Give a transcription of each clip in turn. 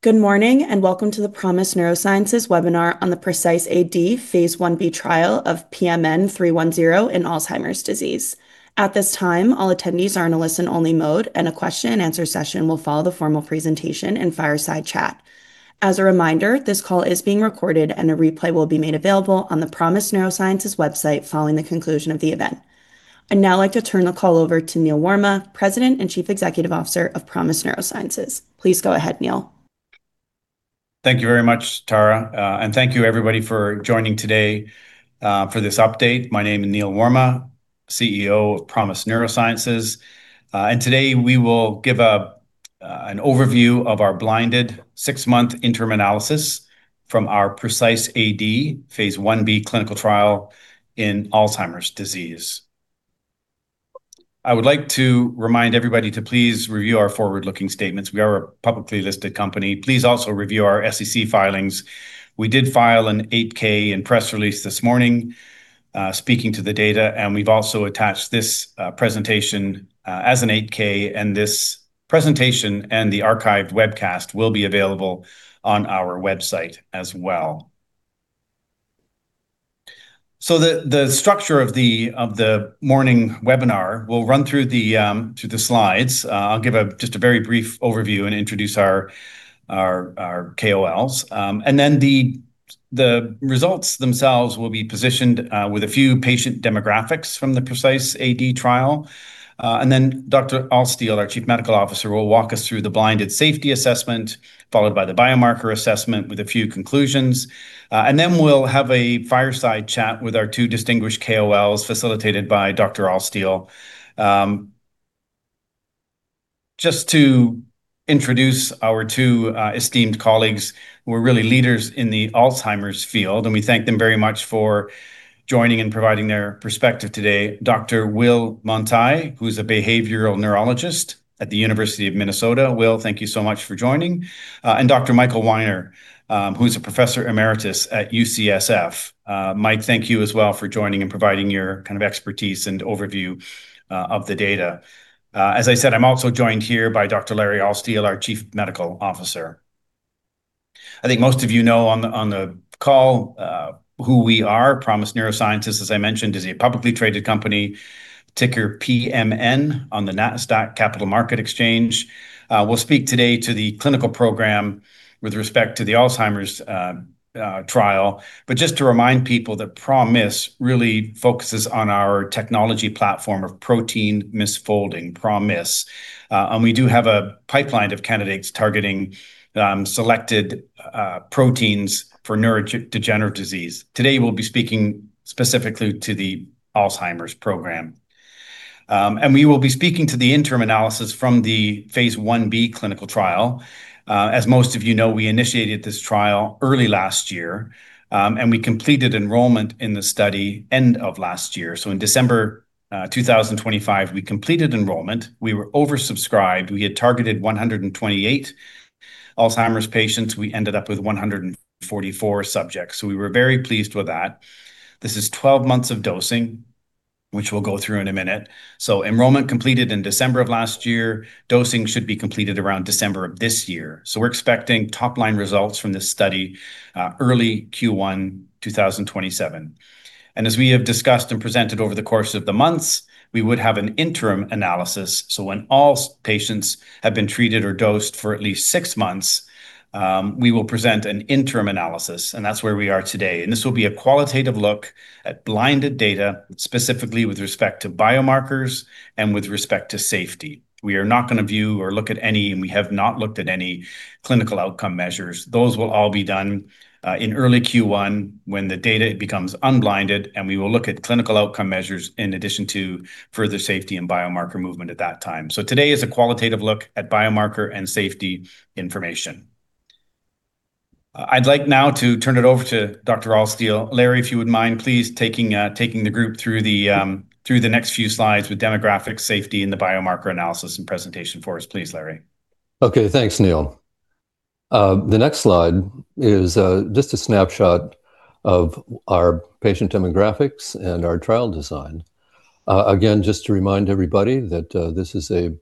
Good morning, and welcome to the ProMIS Neurosciences webinar on the PRECISE-AD phase I-B trial of PMN310 in Alzheimer's disease. At this time, all attendees are in a listen-only mode, and a question and answer session will follow the formal presentation and fireside chat. As a reminder, this call is being recorded and a replay will be made available on the ProMIS Neurosciences website following the conclusion of the event. I'd now like to turn the call over to Neil Warma, President and Chief Executive Officer of ProMIS Neurosciences. Please go ahead, Neil. Thank you very much, Tara. Thank you everybody for joining today for this update. My name is Neil Warma, CEO of ProMIS Neurosciences. Today we will give an overview of our blinded six-month interim analysis from our PRECISE-AD phase I-B clinical trial in Alzheimer's disease. I would like to remind everybody to please review our forward-looking statements. We are a publicly listed company. Please also review our SEC filings. We did file an 8-K and press release this morning speaking to the data. We've also attached this presentation as an 8-K, and this presentation and the archived webcast will be available on our website as well. The structure of the morning webinar will run through the slides. I'll give just a very brief overview and introduce our KOLs. The results themselves will be positioned with a few patient demographics from the PRECISE-AD trial. Then Dr. Altstiel, our Chief Medical Officer, will walk us through the blinded safety assessment, followed by the biomarker assessment with a few conclusions. Then we'll have a fireside chat with our two distinguished KOLs, facilitated by Dr. Altstiel. Just to introduce our two esteemed colleagues who are really leaders in the Alzheimer's field, and we thank them very much for joining and providing their perspective today. Dr. Will Mantyh, who's a behavioral neurologist at the University of Minnesota. Will, thank you so much for joining. And Dr. Michael Weiner, who's a professor emeritus at UCSF. Mike, thank you as well for joining and providing your expertise and overview of the data. As I said, I'm also joined here by Dr. Larry Altstiel, our Chief Medical Officer. I think most of you know on the call who we are. ProMIS Neurosciences, as I mentioned, is a publicly traded company, ticker PMN on the Nasdaq Capital Market. We'll speak today to the clinical program with respect to the Alzheimer's trial. But just to remind people that ProMIS really focuses on our technology platform of protein misfolding, ProMIS. We do have a pipeline of candidates targeting selected proteins for neurodegenerative disease. Today, we'll be speaking specifically to the Alzheimer's program. We will be speaking to the interim analysis from the phase I-B clinical trial. As most of you know, we initiated this trial early last year, and we completed enrollment in the study end of last year. In December 2025, we completed enrollment. We were oversubscribed. We had targeted 128 Alzheimer's patients. We ended up with 144 subjects. We were very pleased with that. This is 12 months of dosing, which we'll go through in a minute. Enrollment completed in December of last year. Dosing should be completed around December of this year. We're expecting top-line results from this study early Q1 2027. As we have discussed and presented over the course of the months, we would have an interim analysis. When all patients have been treated or dosed for at least six months, we will present an interim analysis, and that's where we are today. This will be a qualitative look at blinded data, specifically with respect to biomarkers and with respect to safety. We are not going to view or look at any, and we have not looked at any clinical outcome measures. Those will all be done in early Q1 when the data becomes unblinded, and we will look at clinical outcome measures in addition to further safety and biomarker movement at that time. Today is a qualitative look at biomarker and safety information. I'd like now to turn it over to Dr. Altstiel. Larry, if you would mind please taking the group through the next few slides with demographic safety and the biomarker analysis and presentation for us, please, Larry. Okay. Thanks, Neil. The next slide is just a snapshot of our patient demographics and our trial design. Again, just to remind everybody that this is a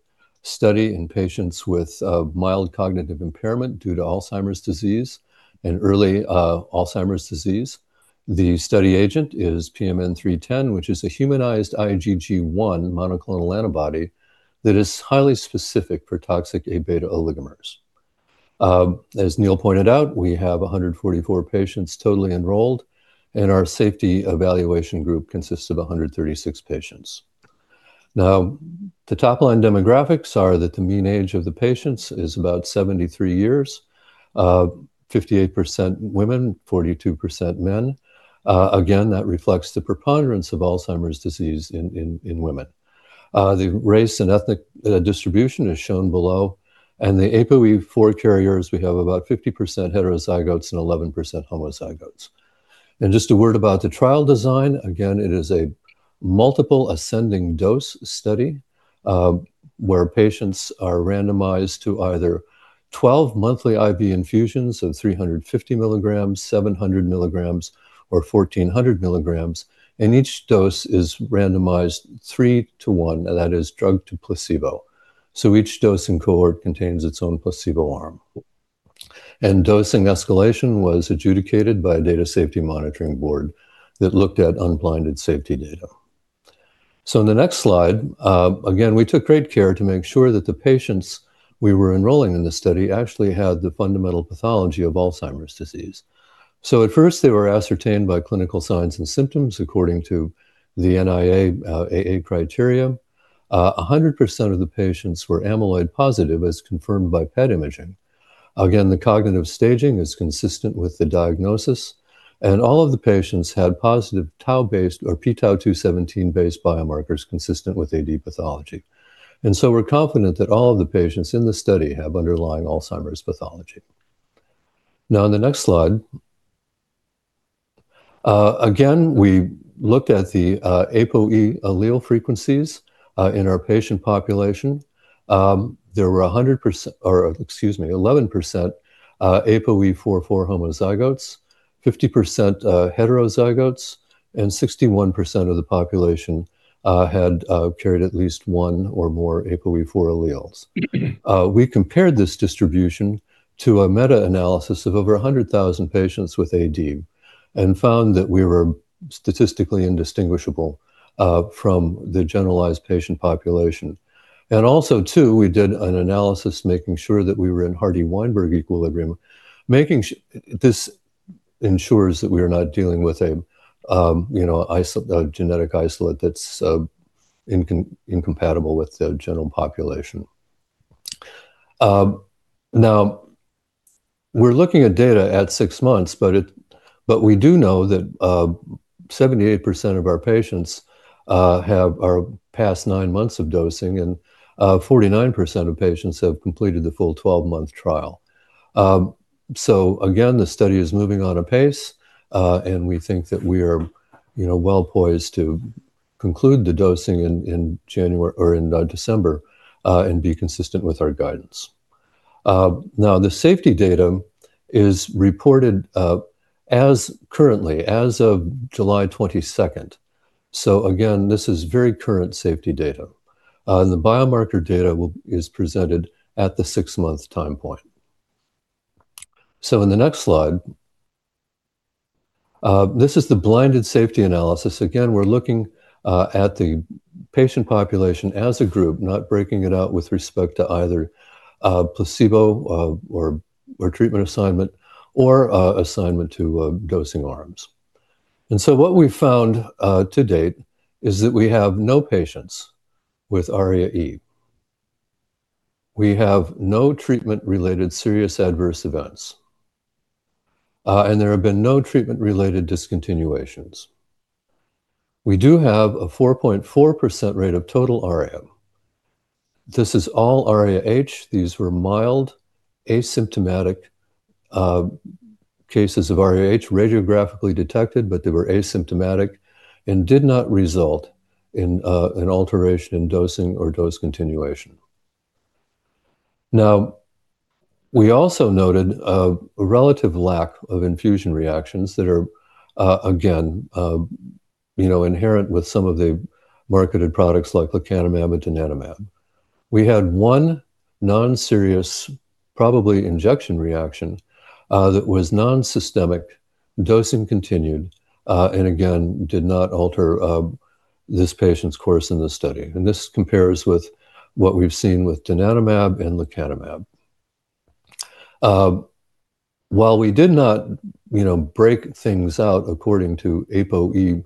study in patients with mild cognitive impairment due to Alzheimer's disease and early Alzheimer's disease. The study agent is PMN310, which is a humanized IgG1 monoclonal antibody that is highly specific for toxic Aβ oligomers. As Neil pointed out, we have 144 patients totally enrolled, and our safety evaluation group consists of 136 patients. Now, the top-line demographics are that the mean age of the patients is about 73 years, 58% women, 42% men. Again, that reflects the preponderance of Alzheimer's disease in women. The race and ethnic distribution is shown below. The APOE4 carriers, we have about 50% heterozygotes and 11% homozygotes. Just a word about the trial design. Again, it is a multiple ascending dose study, where patients are randomized to either 12 monthly IV infusions of 350 mg, 700 mg, or 1,400 mg, and each dose is randomized 3 to 1, and that is drug to placebo. Each dose and cohort contains its own placebo arm. Dosing escalation was adjudicated by a data safety monitoring board that looked at unblinded safety data. In the next slide, again, we took great care to make sure that the patients we were enrolling in the study actually had the fundamental pathology of Alzheimer's disease. At first, they were ascertained by clinical signs and symptoms according to the NIA-AA criteria. 100% of the patients were amyloid positive, as confirmed by PET imaging. Again, the cognitive staging is consistent with the diagnosis, and all of the patients had positive tau-based or p-tau217-based biomarkers consistent with AD pathology. We're confident that all of the patients in the study have underlying Alzheimer's pathology. In the next slide, again, we looked at the APOE allele frequencies in our patient population. There were 11% APOE4 homozygotes, 50% heterozygotes, and 61% of the population had carried at least one or more APOE4 alleles. We compared this distribution to a meta-analysis of over 100,000 patients with AD and found that we were statistically indistinguishable from the generalized patient population. Also too, we did an analysis making sure that we were in Hardy-Weinberg equilibrium. This ensures that we are not dealing with a genetic isolate that's incompatible with the general population. We're looking at data at six months, but we do know that 78% of our patients are past nine months of dosing, and 49% of patients have completed the full 12-month trial. The study is moving on a pace, and we think that we are well-poised to conclude the dosing in December and be consistent with our guidance. The safety data is reported currently as of July 22nd. Again, this is very current safety data. The biomarker data is presented at the six-month time point. In the next slide, this is the blinded safety analysis. Again, we're looking at the patient population as a group, not breaking it out with respect to either placebo or treatment assignment, or assignment to dosing arms. What we've found to date is that we have no patients with ARIA-E. We have no treatment-related serious adverse events. There have been no treatment-related discontinuations. We do have a 4.4% rate of total ARIA. This is all ARIA-H. These were mild, asymptomatic cases of ARIA-H radiographically detected, but they were asymptomatic and did not result in an alteration in dosing or dose continuation. We also noted a relative lack of infusion reactions that are again inherent with some of the marketed products like lecanemab and donanemab. We had one non-serious, probably injection reaction that was non-systemic. Dosing continued, and again, did not alter this patient's course in the study. This compares with what we've seen with donanemab and lecanemab. While we did not break things out according to APOE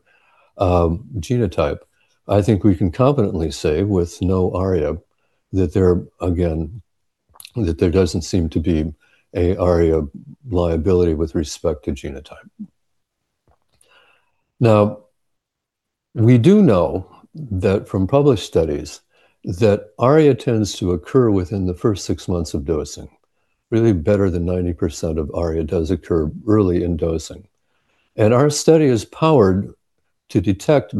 genotype, I think we can confidently say with no ARIA that there doesn't seem to be an ARIA liability with respect to genotype. We do know that from published studies that ARIA tends to occur within the first six months of dosing. Really better than 90% of ARIA does occur early in dosing. Our study is powered with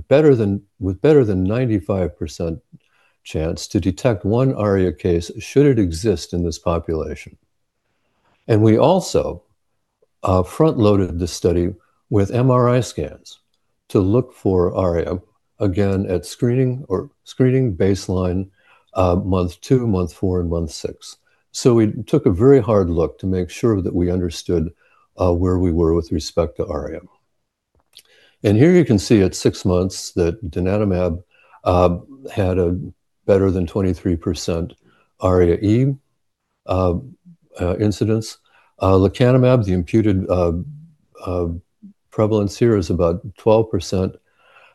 better than 95% chance to detect one ARIA case should it exist in this population. We also front-loaded the study with MRI scans to look for ARIA, again, at screening baseline, month two, month four, and month six. We took a very hard look to make sure that we understood where we were with respect to ARIA. Here you can see at six months that donanemab had a better than 23% ARIA-E incidence. Lecanemab, the imputed prevalence here is about 12%.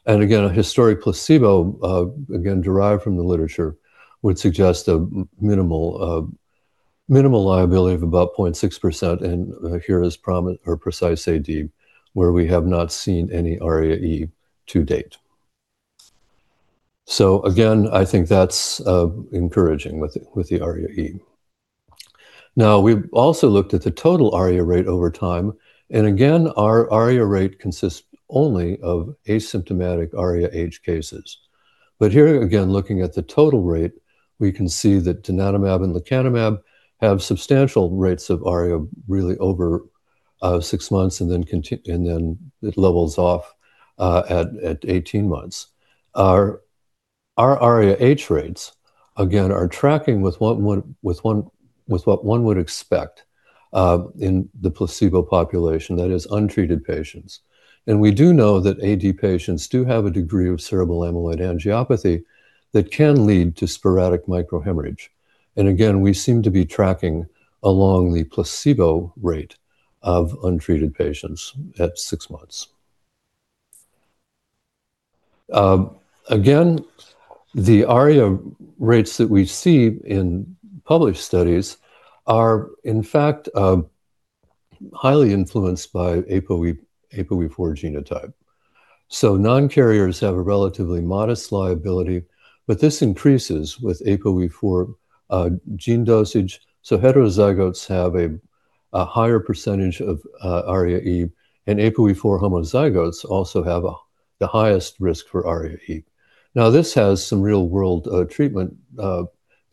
Again, a historic placebo, again, derived from the literature, would suggest a minimal liability of about 0.6% and here is PRECISE-AD where we have not seen any ARIA-E to-date. Again, I think that's encouraging with the ARIA-E. We've also looked at the total ARIA rate over time. Our ARIA rate consists only of asymptomatic ARIA-H cases. Here again, looking at the total rate, we can see that donanemab and lecanemab have substantial rates of ARIA really over 6 months, then it levels off at 18 months. Our ARIA-H rates, again, are tracking with what one would expect in the placebo population, that is untreated patients. We do know that AD patients do have a degree of cerebral amyloid angiopathy that can lead to sporadic microhemorrhage. Again, we seem to be tracking along the placebo rate of untreated patients at 6 months. The ARIA rates that we see in published studies are, in fact, highly influenced by APOE4 genotype. Non-carriers have a relatively modest liability, but this increases with APOE4 gene dosage. Heterozygotes have a higher % of ARIA-E, and APOE4 homozygotes also have the highest risk for ARIA-E. This has some real-world treatment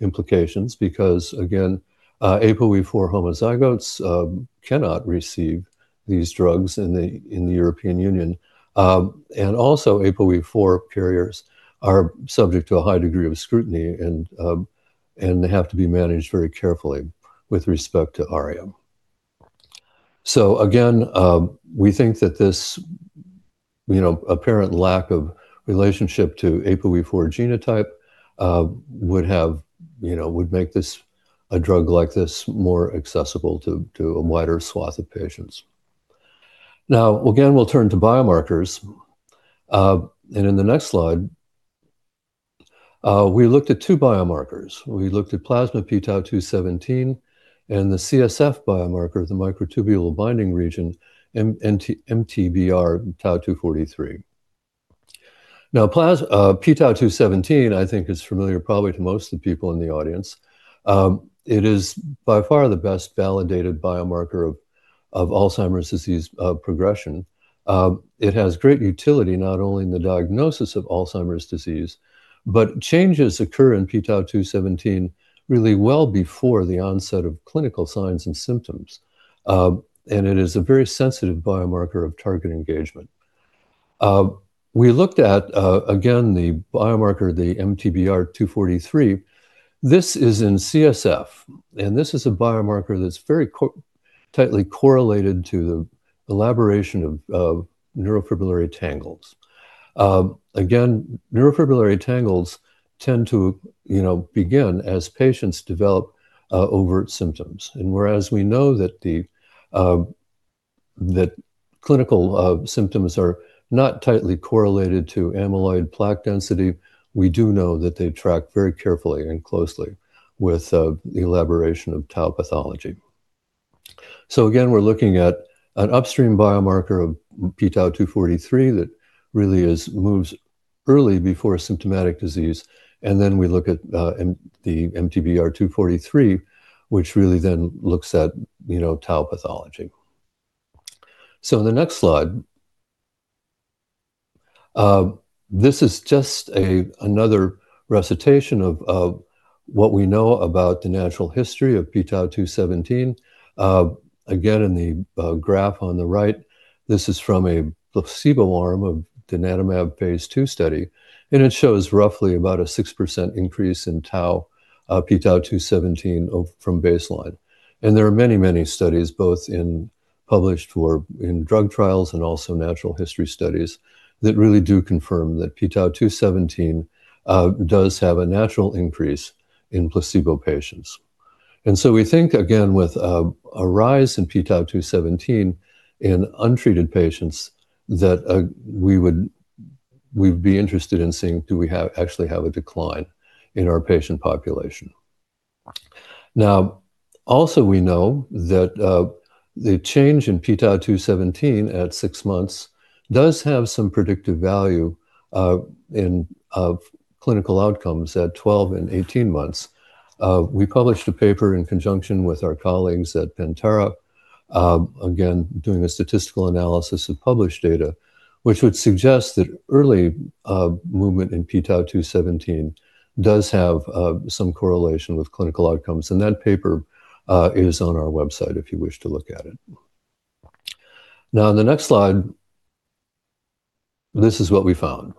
implications because, again, APOE4 homozygotes cannot receive these drugs in the European Union. Also APOE4 carriers are subject to a high degree of scrutiny and they have to be managed very carefully with respect to ARIA. Again, we think that this apparent lack of relationship to APOE4 genotype would make a drug like this more accessible to a wider swath of patients. Again, we'll turn to biomarkers. In the next slide, we looked at two biomarkers. We looked at plasma p-tau217 and the CSF biomarker, the microtubule binding region, MTBR-tau243. P-tau217 I think is familiar probably to most of the people in the audience. It is by far the best validated biomarker of Alzheimer's disease progression. It has great utility not only in the diagnosis of Alzheimer's disease, changes occur in p-tau217 really well before the onset of clinical signs and symptoms. It is a very sensitive biomarker of target engagement. We looked at, again, the biomarker, the MTBR243. This is in CSF, this is a biomarker that's very tightly correlated to the elaboration of neurofibrillary tangles. Neurofibrillary tangles tend to begin as patients develop overt symptoms. Whereas we know that clinical symptoms are not tightly correlated to amyloid plaque density, we do know that they track very carefully and closely with the elaboration of tau pathology. Again, we're looking at an upstream biomarker of p-tau217 that really moves early before symptomatic disease. Then we look at the MTBR243, which really then looks at tau pathology. The next slide. This is just another recitation of what we know about the natural history of p-tau217. In the graph on the right, this is from a placebo arm of donanemab phase II study, and it shows roughly about a 6% increase in p-tau217 from baseline. There are many studies, both in published or in drug trials, and also natural history studies that really do confirm that p-tau217 does have a natural increase in placebo patients. We think, again, with a rise in p-tau217 in untreated patients that we'd be interested in seeing, do we actually have a decline in our patient population? Also we know that the change in p-tau217 at 6 months does have some predictive value of clinical outcomes at 12 and 18 months. We published a paper in conjunction with our colleagues at Pentara, again, doing a statistical analysis of published data, which would suggest that early movement in p-tau217 does have some correlation with clinical outcomes. That paper is on our website if you wish to look at it. The next slide, this is what we found.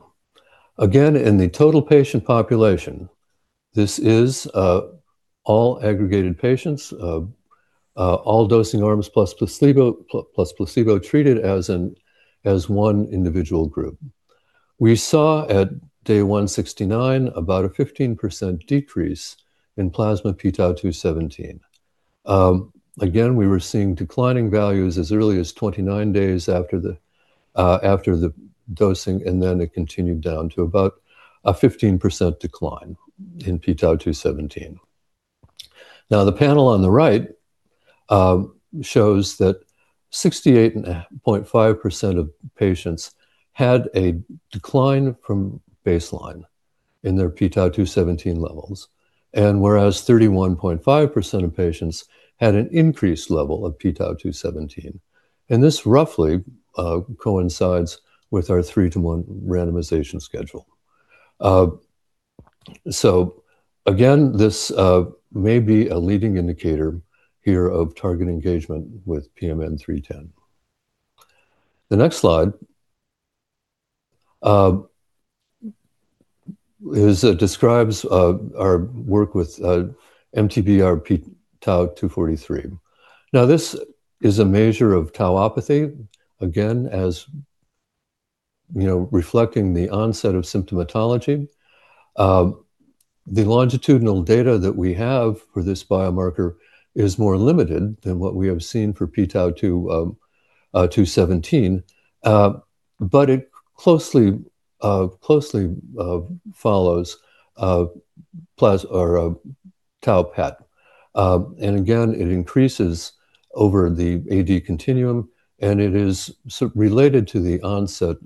Again, in the total patient population, this is all aggregated patients, all dosing arms plus placebo treated as one individual group. We saw at day 169 about a 15% decrease in plasma p-tau217. Again, we were seeing declining values as early as 29 days after the dosing, then it continued down to about a 15% decline in p-tau217. The panel on the right shows that 68.5% of patients had a decline from baseline in their p-tau217 levels. Whereas 31.5% of patients had an increased level of p-tau217. This roughly coincides with our three-to-one randomization schedule. Again, this may be a leading indicator here of target engagement with PMN310. The next slide describes our work with MTBR p-tau243. This is a measure of tauopathy, again, as reflecting the onset of symptomatology. The longitudinal data that we have for this biomarker is more limited than what we have seen for p-tau217, but it closely follows tau PET. Again, it increases over the AD continuum, and it is related to the onset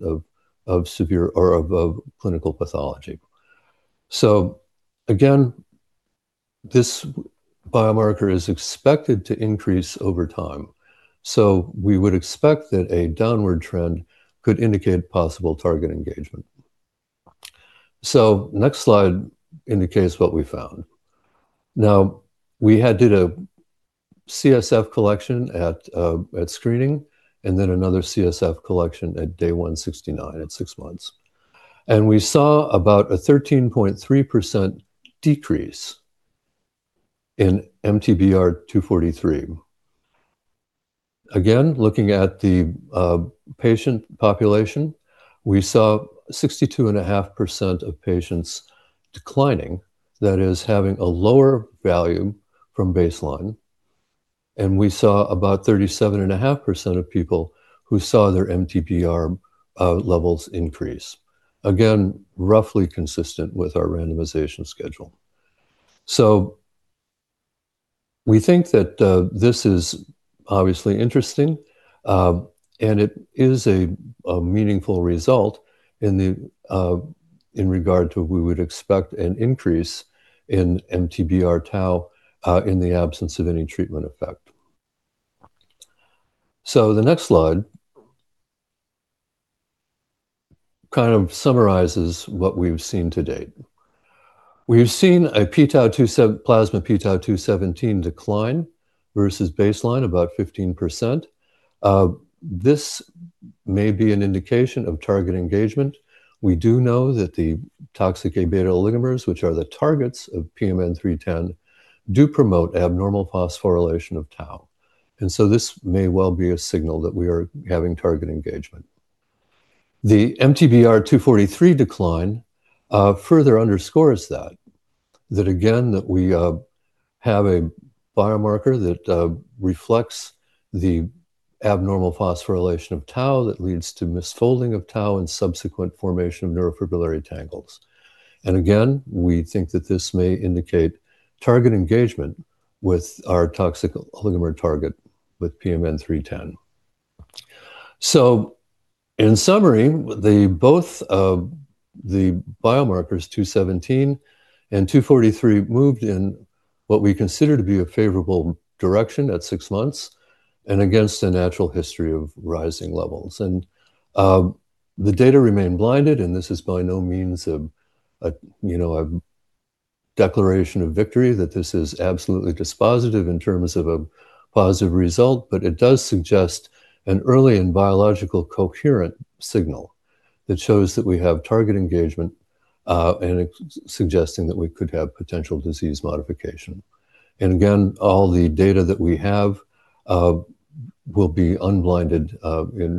of severe or of clinical pathology. Again, this biomarker is expected to increase over time. We would expect that a downward trend could indicate possible target engagement. Next slide indicates what we found. We had did a CSF collection at screening, then another CSF collection at day 169 at six months. We saw about a 13.3% decrease in MTBR243. Again, looking at the patient population, we saw 62.5% of patients declining. That is, having a lower value from baseline. We saw about 37.5% of people who saw their MTBR levels increase, again, roughly consistent with our randomization schedule. We think that this is obviously interesting, and it is a meaningful result in regard to we would expect an increase in MTBR tau in the absence of any treatment effect. The next slide kind of summarizes what we've seen to date. We've seen a plasma p-tau217 decline versus baseline about 15%. This may be an indication of target engagement. We do know that the toxic Aβ oligomers, which are the targets of PMN310, do promote abnormal phosphorylation of tau. This may well be a signal that we are having target engagement. The MTBR243 decline further underscores that. Again, we have a biomarker that reflects the abnormal phosphorylation of tau that leads to misfolding of tau and subsequent formation of neurofibrillary tangles. Again, we think that this may indicate target engagement with our toxic oligomer target with PMN310. In summary, both of the biomarkers, 217 and 243, moved in what we consider to be a favorable direction at six months and against a natural history of rising levels. The data remain blinded, and this is by no means a declaration of victory that this is absolutely dispositive in terms of a positive result. It does suggest an early and biological coherent signal that shows that we have target engagement, and it's suggesting that we could have potential disease modification. All the data that we have will be unblinded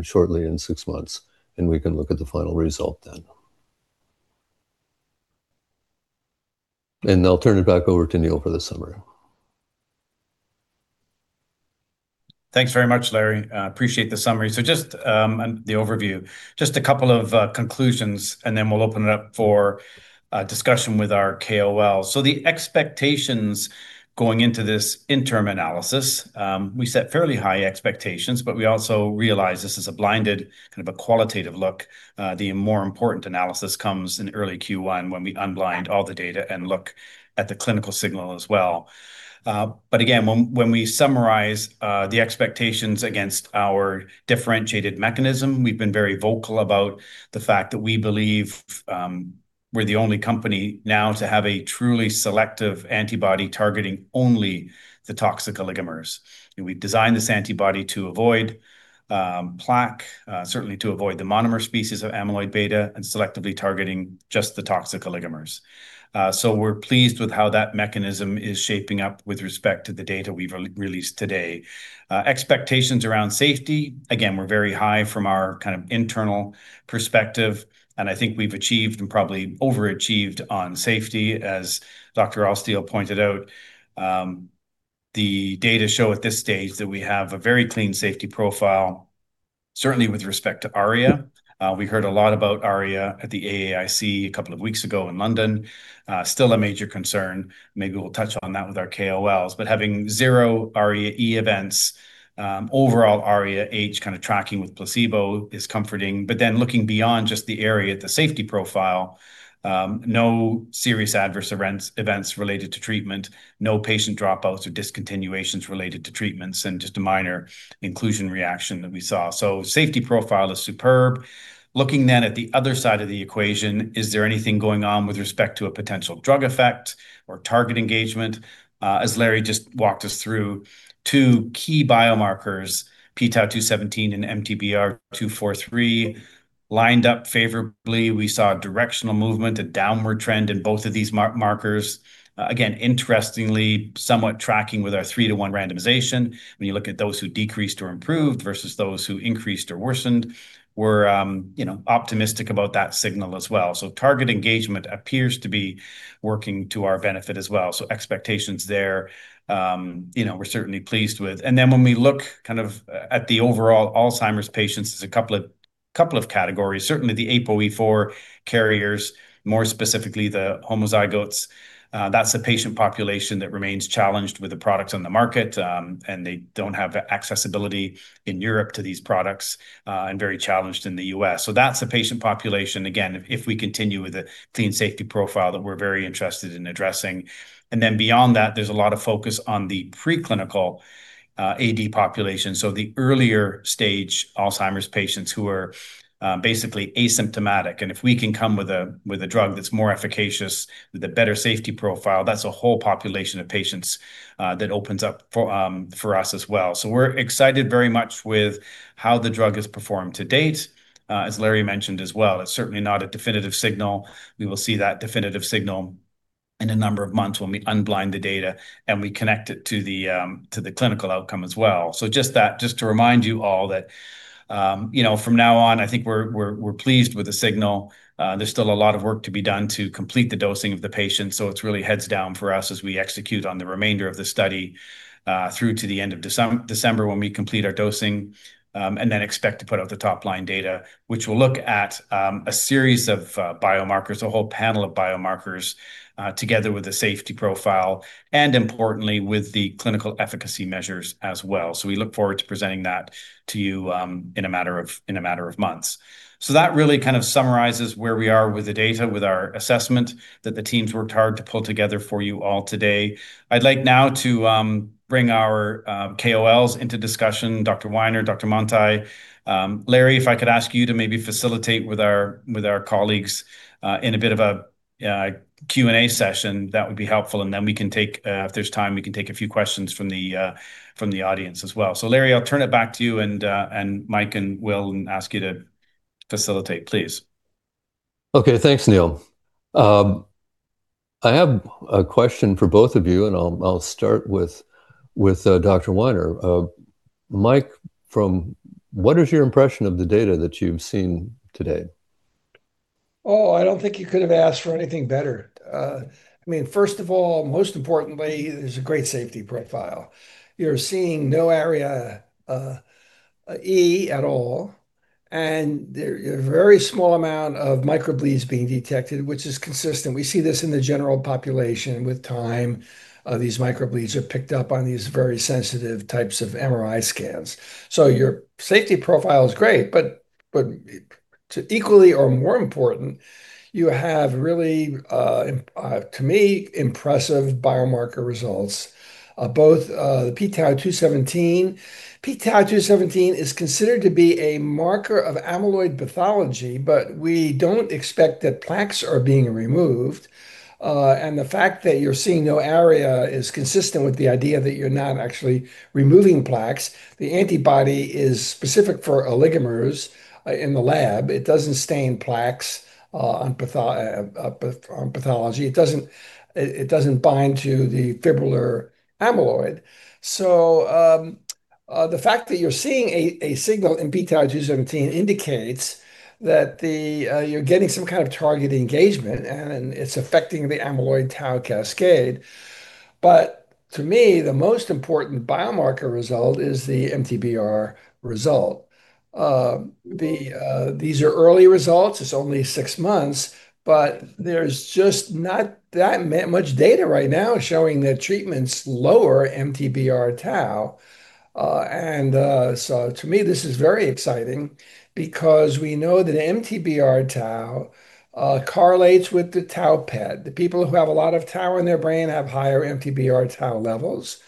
shortly in 6 months, and we can look at the final result then. I'll turn it back over to Neil for the summary. Thanks very much, Larry. I appreciate the summary. Just the overview. Just a couple of conclusions and we'll open it up for discussion with our KOLs. The expectations going into this interim analysis, we set fairly high expectations, but we also realize this is a blinded kind of a qualitative look. The more important analysis comes in early Q1 when we unblind all the data and look at the clinical signal as well. Again, when we summarize the expectations against our differentiated mechanism, we've been very vocal about the fact that we believe we're the only company now to have a truly selective antibody targeting only the toxic oligomers. We've designed this antibody to avoid plaque, certainly to avoid the monomer species of amyloid beta, and selectively targeting just the toxic oligomers. We're pleased with how that mechanism is shaping up with respect to the data we've released today. Expectations around safety, again, were very high from our kind of internal perspective, and I think we've achieved and probably overachieved on safety. As Dr. Altstiel pointed out, the data show at this stage that we have a very clean safety profile, certainly with respect to ARIA. We heard a lot about ARIA at the AAIC a couple of weeks ago in London. Still a major concern. Maybe we'll touch on that with our KOLs. Having zero ARIA-E events, overall ARIA-H kind of tracking with placebo is comforting. Looking beyond just the area, the safety profile, no serious adverse events related to treatment, no patient dropouts or discontinuations related to treatments, and just a minor inclusion reaction that we saw. Safety profile is superb. Looking at the other side of the equation, is there anything going on with respect to a potential drug effect or target engagement? As Larry just walked us through, two key biomarkers, p-tau217 and MTBR243 lined up favorably, we saw a directional movement, a downward trend in both of these markers. Again, interestingly, somewhat tracking with our 3-to-1 randomization. When you look at those who decreased or improved versus those who increased or worsened, we're optimistic about that signal as well. Target engagement appears to be working to our benefit as well. Expectations there, we're certainly pleased with. When we look at the overall Alzheimer's patients, there's a couple of categories. Certainly the APOE4 carriers, more specifically the homozygotes. That's the patient population that remains challenged with the products on the market, and they don't have accessibility in Europe to these products, and very challenged in the U.S. That's a patient population, again, if we continue with a clean safety profile that we're very interested in addressing. Beyond that, there's a lot of focus on the preclinical AD population, the earlier stage Alzheimer's patients who are basically asymptomatic. If we can come with a drug that's more efficacious with a better safety profile, that's a whole population of patients that opens up for us as well. We're excited very much with how the drug has performed to-date. As Larry mentioned as well, it's certainly not a definitive signal. We will see that definitive signal in a number of months when we unblind the data and we connect it to the clinical outcome as well. Just to remind you all that from now on, I think we're pleased with the signal. There's still a lot of work to be done to complete the dosing of the patients, so it's really heads down for us as we execute on the remainder of the study through to the end of December when we complete our dosing. Then expect to put out the top-line data, which will look at a series of biomarkers, a whole panel of biomarkers, together with the safety profile, and importantly, with the clinical efficacy measures as well. We look forward to presenting that to you in a matter of months. That really summarizes where we are with the data, with our assessment that the teams worked hard to pull together for you all today. I'd like now to bring our KOLs into discussion, Dr. Weiner, Dr. Mantyh. Larry, if I could ask you to maybe facilitate with our colleagues in a bit of a Q&A session, that would be helpful. Then if there's time, we can take a few questions from the audience as well. Larry, I'll turn it back to you and Mike and Will and ask you to facilitate, please. Thanks, Neil. I have a question for both of you, and I'll start with Dr. Weiner. Mike, what is your impression of the data that you've seen today? I don't think you could have asked for anything better. First of all, most importantly, there's a great safety profile. You're seeing no ARIA-E at all, and a very small amount of microbleeds being detected, which is consistent. We see this in the general population with time. These microbleeds are picked up on these very sensitive types of MRI scans. Your safety profile is great, but equally or more important, you have really, to me, impressive biomarker results, both p-tau217. p-tau217 is considered to be a marker of amyloid pathology, we don't expect that plaques are being removed. The fact that you're seeing no ARIA is consistent with the idea that you're not actually removing plaques. The antibody is specific for oligomers in the lab. It doesn't stain plaques on pathology. It doesn't bind to the fibrillar amyloid. The fact that you're seeing a signal in p-tau217 indicates that you're getting some kind of target engagement, and it's affecting the amyloid tau cascade. To me, the most important biomarker result is the MTBR result. These are early results. It's only six months, there's just not that much data right now showing that treatments lower MTBR tau. To me, this is very exciting because we know that MTBR tau correlates with the tau PET. The people who have a lot of tau in their brain have higher MTBR tau levels.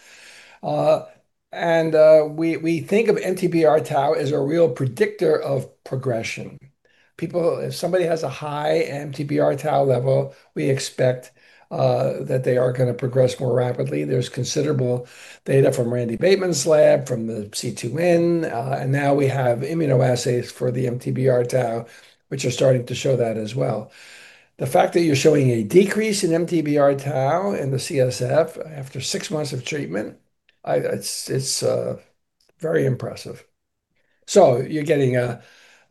We think of MTBR tau as a real predictor of progression. If somebody has a high MTBR tau level, we expect that they are going to progress more rapidly. There's considerable data from Randy Bateman's lab, from the C2N, now we have immunoassays for the MTBR tau, which are starting to show that as well. The fact that you're showing a decrease in MTBR tau in the CSF after six months of treatment, it's very impressive. You're getting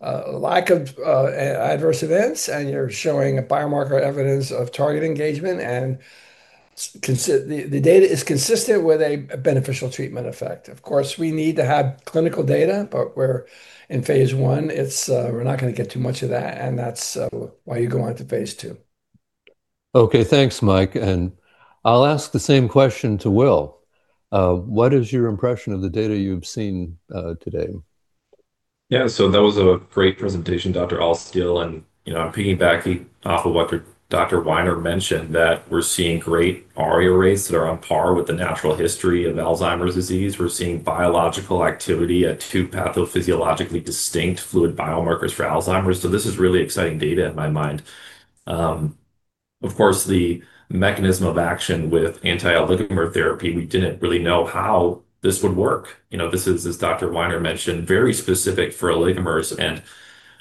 a lack of adverse events, you're showing biomarker evidence of target engagement, the data is consistent with a beneficial treatment effect. Of course, we need to have clinical data. We're in phase I, we're not going to get too much of that's why you go on to phase II. Okay. Thanks, Mike. I'll ask the same question to Will. What is your impression of the data you've seen today? Yeah. That was a great presentation, Dr. Altstiel. I'm piggybacking off of what Dr. Weiner mentioned, that we're seeing great ARIA rates that are on par with the natural history of Alzheimer's disease. We're seeing biological activity at two pathophysiologically distinct fluid biomarkers for Alzheimer's, this is really exciting data in my mind. Of course, the mechanism of action with anti-oligomer therapy, we didn't really know how this would work. This is, as Dr. Weiner mentioned, very specific for oligomers.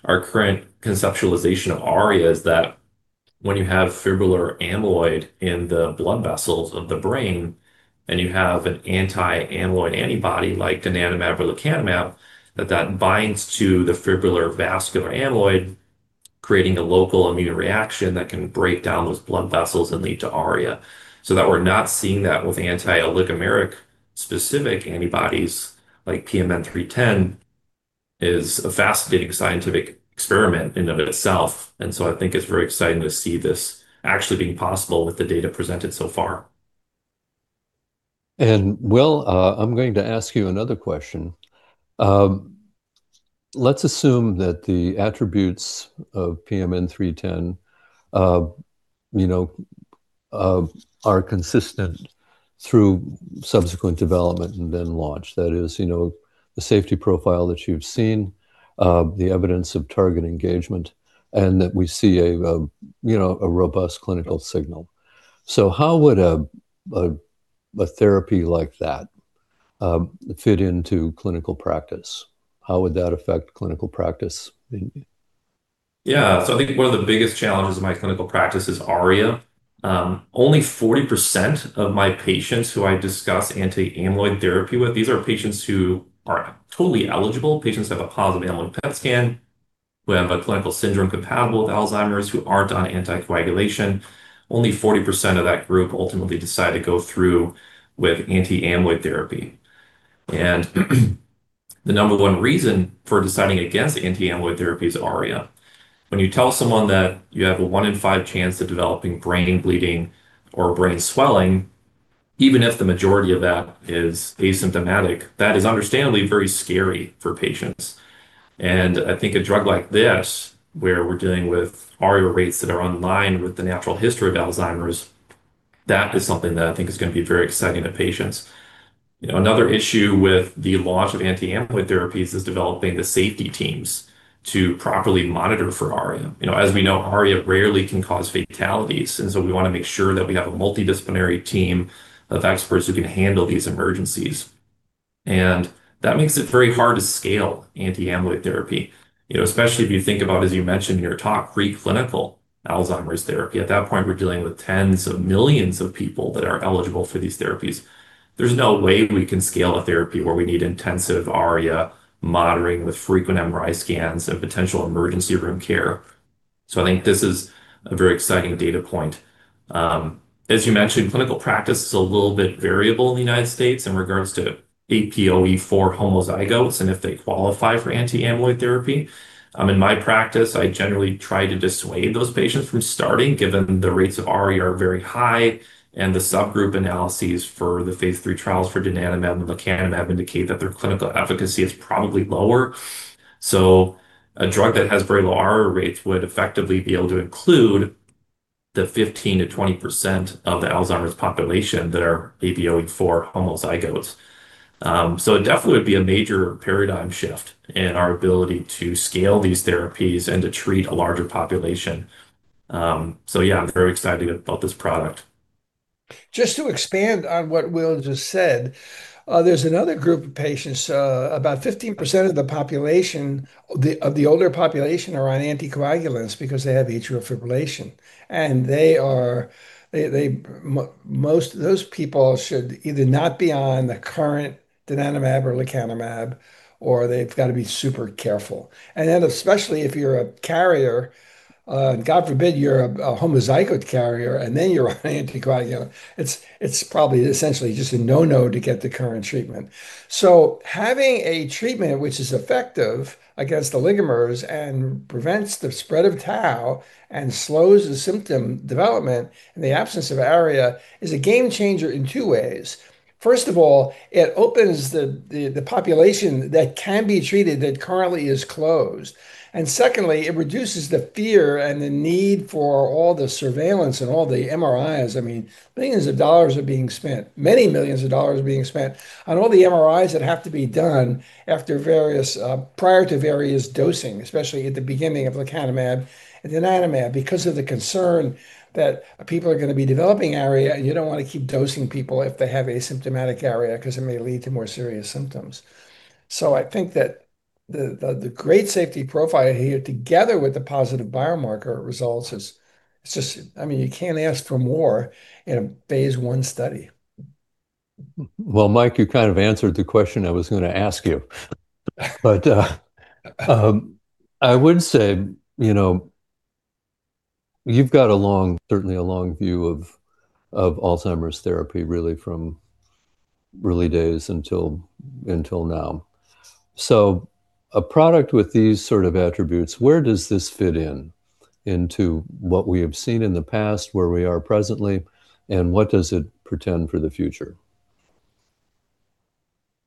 Our current conceptualization of ARIA is that when you have fibrillar amyloid in the blood vessels of the brain, you have an anti-amyloid antibody like donanemab or lecanemab, that binds to the fibrillar vascular amyloid, creating a local immune reaction that can break down those blood vessels and lead to ARIA. That we're not seeing that with anti-oligomeric specific antibodies like PMN310 is a fascinating scientific experiment in of itself. I think it's very exciting to see this actually being possible with the data presented so far. Will, I'm going to ask you another question. Let's assume that the attributes of PMN310 are consistent through subsequent development and then launch. That is, the safety profile that you've seen, the evidence of target engagement, and that we see a robust clinical signal. How would a therapy like that fit into clinical practice? How would that affect clinical practice? Yeah. I think one of the biggest challenges in my clinical practice is ARIA. Only 40% of my patients who I discuss anti-amyloid therapy with, these are patients who are totally eligible, patients who have a positive amyloid PET scan, who have a clinical syndrome compatible with Alzheimer's, who aren't on anticoagulation. Only 40% of that group ultimately decide to go through with anti-amyloid therapy. The number one reason for deciding against anti-amyloid therapy is ARIA. When you tell someone that you have a one in five chance of developing brain bleeding or brain swelling, even if the majority of that is asymptomatic, that is understandably very scary for patients. I think a drug like this, where we're dealing with ARIA rates that are on line with the natural history of Alzheimer's, that is something that I think is going to be very exciting to patients. Another issue with the launch of anti-amyloid therapies is developing the safety teams to properly monitor for ARIA. As we know, ARIA rarely can cause fatalities, we want to make sure that we have a multidisciplinary team of experts who can handle these emergencies. That makes it very hard to scale anti-amyloid therapy, especially if you think about, as you mentioned in your talk, preclinical Alzheimer's therapy. At that point, we're dealing with tens of millions of people that are eligible for these therapies. There's no way we can scale a therapy where we need intensive ARIA monitoring with frequent MRI scans and potential emergency room care. I think this is a very exciting data point. As you mentioned, clinical practice is a little bit variable in the U.S. in regards to APOE4 homozygotes and if they qualify for anti-amyloid therapy. In my practice, I generally try to dissuade those patients from starting, given the rates of ARIA are very high and the subgroup analyses for the phase III trials for donanemab and lecanemab indicate that their clinical efficacy is probably lower. A drug that has very low ARIA rates would effectively be able to include the 15%-20% of the Alzheimer's population that are APOE4 homozygotes. It definitely would be a major paradigm shift in our ability to scale these therapies and to treat a larger population. Yeah, I'm very excited about this product. Just to expand on what Will just said, there's another group of patients, about 15% of the older population are on anticoagulants because they have atrial fibrillation. Those people should either not be on the current donanemab or lecanemab, or they've got to be super careful. Especially if you're a carrier, God forbid, you're a homozygote carrier and then you're on anticoagulant, it's probably essentially just a no-no to get the current treatment. Having a treatment which is effective against oligomers and prevents the spread of tau and slows the symptom development in the absence of ARIA is a game changer in two ways. First of all, it opens the population that can be treated that currently is closed. Secondly, it reduces the fear and the need for all the surveillance and all the MRIs. $ millions are being spent, many $ millions are being spent on all the MRIs that have to be done prior to various dosing, especially at the beginning of lecanemab and donanemab, because of the concern that people are going to be developing ARIA. You don't want to keep dosing people if they have asymptomatic ARIA because it may lead to more serious symptoms. I think that the great safety profile here, together with the positive biomarker results is just, you can't ask for more in a phase I study. Well, Mike, you kind of answered the question I was going to ask you. I would say, you've got certainly a long view of Alzheimer's therapy really from early days until now. A product with these sort of attributes, where does this fit in into what we have seen in the past, where we are presently, and what does it portend for the future?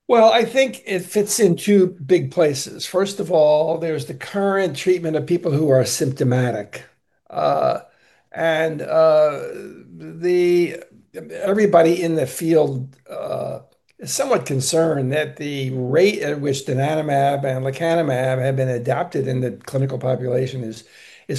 Well, I think it fits in two big places. First of all, there's the current treatment of people who are symptomatic. Everybody in the field somewhat concerned that the rate at which donanemab and lecanemab have been adapted in the clinical population is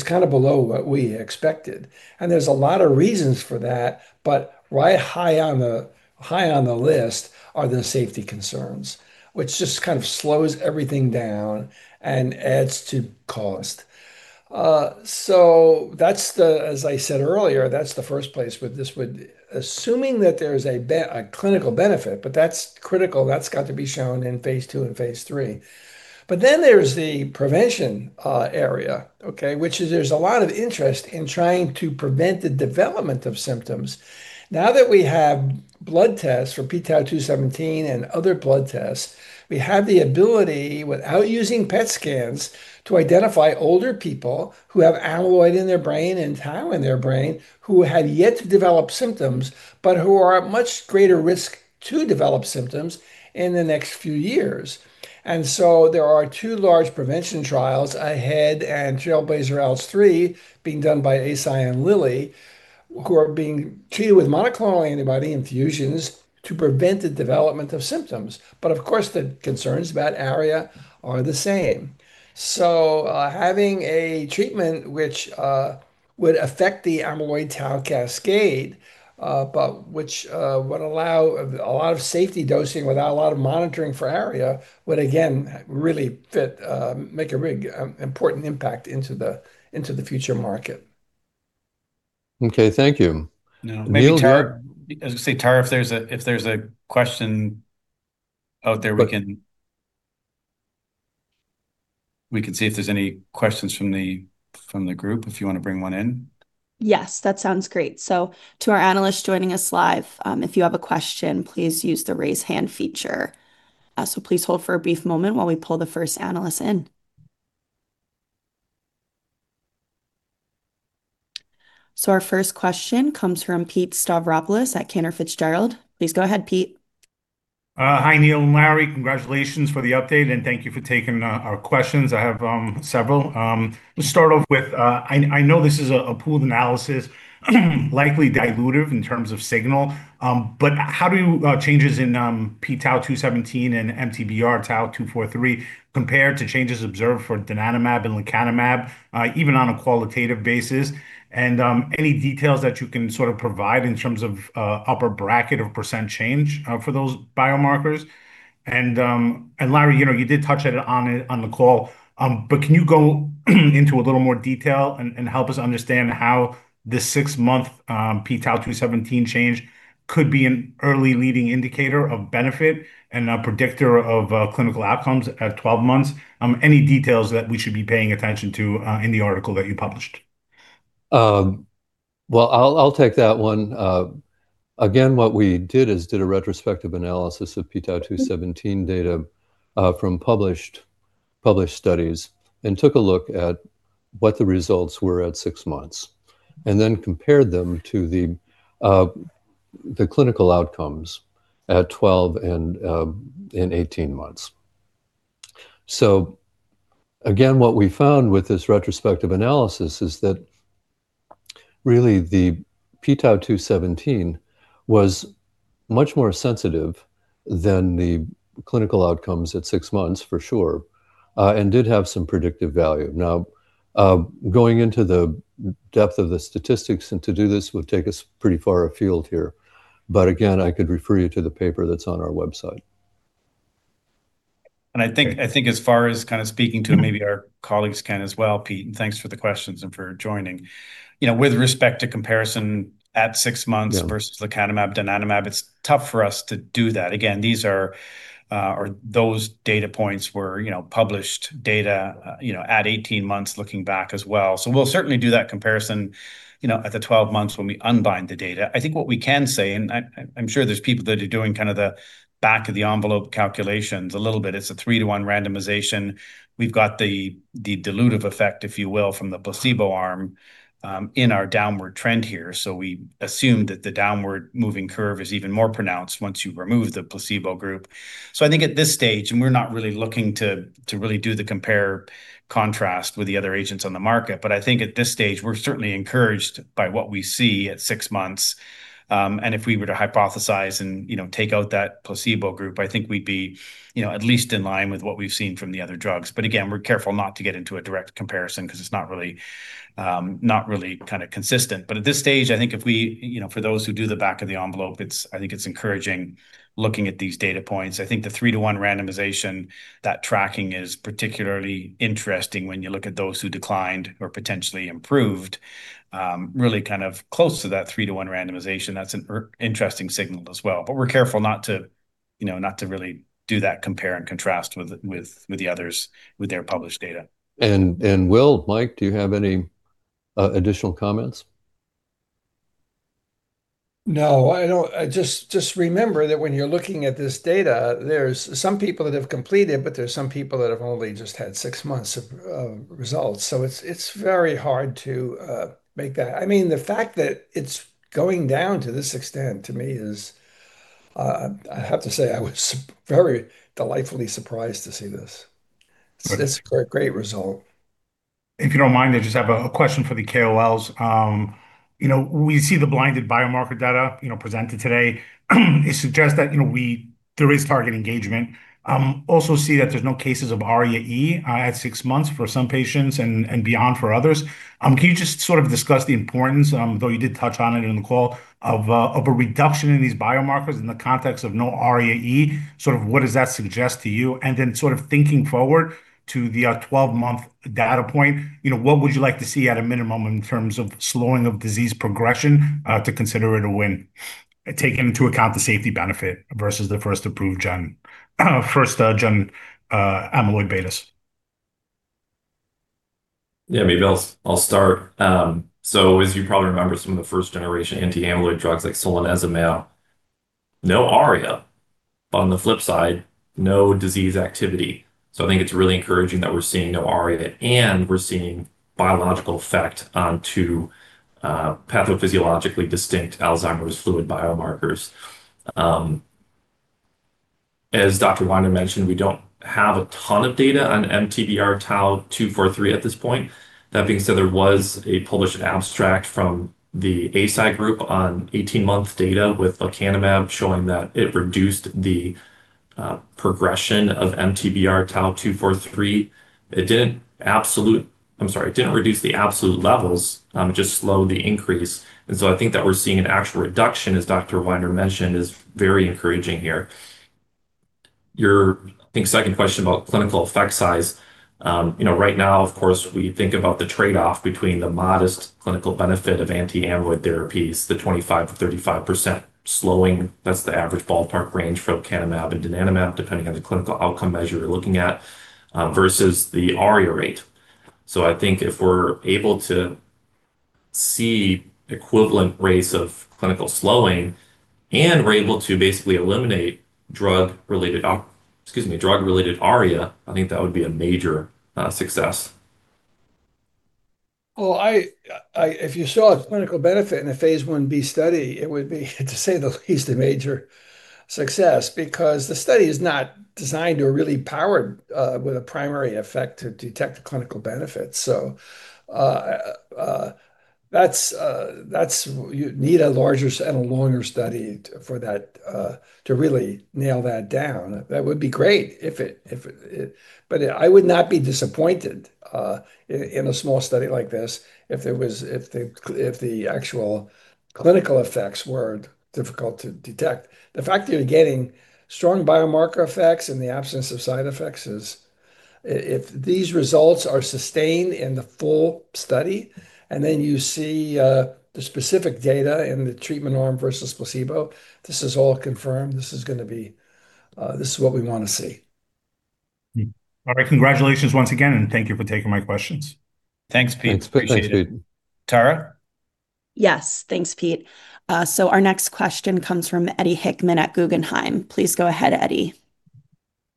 below what we expected. There's a lot of reasons for that, but right high on the list are the safety concerns, which just slows everything down and adds to cost. As I said earlier, that's the first place, assuming that there's a clinical benefit, but that's critical. That's got to be shown in phase II and phase III. Then there's the prevention area, which there's a lot of interest in trying to prevent the development of symptoms. Now that we have blood tests for p-tau217 and other blood tests, we have the ability, without using PET scans, to identify older people who have amyloid in their brain and tau in their brain who have yet to develop symptoms, but who are at much greater risk to develop symptoms in the next few years. There are two large prevention trials ahead and TRAILBLAZER-ALZ 3 being done by Eisai and Lilly, who are being treated with monoclonal antibody infusions to prevent the development of symptoms. Of course, the concerns about ARIA are the same. Having a treatment which would affect the amyloid tau cascade, but which would allow a lot of safety dosing without a lot of monitoring for ARIA would, again, really make a really important impact into the future market. Okay. Thank you. Neil I was going to say, Tara, if there's a question out there, we can see if there's any questions from the group, if you want to bring one in. Yes, that sounds great. To our analysts joining us live, if you have a question, please use the raise hand feature. Please hold for a brief moment while we pull the first analyst in. Our first question comes from Pete Stavropoulos at Cantor Fitzgerald. Please go ahead, Pete. Hi, Neil and Larry. Congratulations for the update, and thank you for taking our questions. I have several. To start off with, I know this is a pooled analysis, likely dilutive in terms of signal. How do changes in p-tau217 and MTBR-tau243 compare to changes observed for donanemab and lecanemab, even on a qualitative basis? Any details that you can provide in terms of upper bracket of percent change for those biomarkers? Larry, you did touch on it on the call, but can you go into a little more detail and help us understand how the six-month p-tau217 change could be an early leading indicator of benefit and a predictor of clinical outcomes at 12 months? Any details that we should be paying attention to in the article that you published? Well, I'll take that one. Again, what we did is did a retrospective analysis of p-tau217 data from published studies and took a look at what the results were at six months, and then compared them to the clinical outcomes at 12 and in 18 months. Again, what we found with this retrospective analysis is that really the p-tau217 was much more sensitive than the clinical outcomes at six months, for sure, and did have some predictive value. Now, going into the depth of the statistics and to do this would take us pretty far afield here. Again, I could refer you to the paper that's on our website. I think as far as speaking to maybe our colleagues can as well, Pete, thanks for the questions and for joining. With respect to comparison at six months- Yeah Versus lecanemab, donanemab, it's tough for us to do that. Again, those data points were published data at 18 months, looking back as well. We'll certainly do that comparison at the 12 months when we unbind the data. I think what we can say, and I'm sure there's people that are doing the back of the envelope calculations a little bit. It's a three-to-one randomization. We've got the dilutive effect, if you will, from the placebo arm in our downward trend here. We assume that the downward moving curve is even more pronounced once you remove the placebo group. I think at this stage, and we're not really looking to really do the compare contrast with the other agents on the market, but I think at this stage, we're certainly encouraged by what we see at six months. If we were to hypothesize and take out that placebo group, I think we'd be at least in line with what we've seen from the other drugs. Again, we're careful not to get into a direct comparison because it's not really consistent. At this stage, I think for those who do the back of the envelope, I think it's encouraging looking at these data points. I think the three-to-one randomization, that tracking is particularly interesting when you look at those who declined or potentially improved, really close to that three-to-one randomization. That's an interesting signal as well. We're careful not to really do that compare and contrast with the others, with their published data. Will, Mike, do you have any additional comments? No. Just remember that when you're looking at this data, there's some people that have completed, but there's some people that have only just had 6 months of results. The fact that it's going down to this extent, to me is, I have to say I was very delightfully surprised to see this. It's a great result. If you don't mind, I just have a question for the KOLs. We see the blinded biomarker data presented today. It suggests that there is target engagement. See that there's no cases of ARIA-E at 6 months for some patients and beyond for others. Can you just sort of discuss the importance, though you did touch on it in the call, of a reduction in these biomarkers in the context of no ARIA-E? Sort of what does that suggest to you? Thinking forward to the 12-month data point, what would you like to see at a minimum in terms of slowing of disease progression, to consider it a win, taking into account the safety benefit versus the first approved gen, first gen amyloid betas? Yeah, maybe I'll start. As you probably remember, some of the first-generation anti-amyloid drugs like solanezumab, no ARIA. On the flip side, no disease activity. I think it's really encouraging that we're seeing no ARIA, and we're seeing biological effect onto pathophysiologically distinct Alzheimer's fluid biomarkers. As Dr. Weiner mentioned, we don't have a ton of data on MTBR-tau243 at this point. That being said, there was a published abstract from the Alzheimer's Association group on 18-month data with lecanemab showing that it reduced the progression of MTBR-tau243. It didn't reduce the absolute levels, it just slowed the increase. I think that we're seeing an actual reduction, as Dr. Weiner mentioned, is very encouraging here. Your, I think, second question about clinical effect size. Right now, of course, we think about the trade-off between the modest clinical benefit of anti-amyloid therapies, the 25%-35% slowing. That's the average ballpark range for lecanemab and donanemab, depending on the clinical outcome measure you're looking at, versus the ARIA rate. I think if we're able to see equivalent rates of clinical slowing and we're able to basically eliminate drug-related ARIA, I think that would be a major success. If you saw a clinical benefit in a phase I-B study, it would be, to say the least, a major success, because the study is not designed or really powered with a primary effect to detect the clinical benefits. You'd need a larger and a longer study for that to really nail that down. That would be great, I would not be disappointed in a small study like this if the actual clinical effects were difficult to detect. The fact that you're getting strong biomarker effects in the absence of side effects is, if these results are sustained in the full study and then you see the specific data in the treatment arm versus placebo, this is all confirmed. This is what we want to see. All right. Congratulations once again, thank you for taking my questions. Thanks, Pete. Appreciate it. Thanks, Pete. Tara? Yes. Thanks, Pete. Our next question comes from Eddie Hickman at Guggenheim. Please go ahead, Eddie.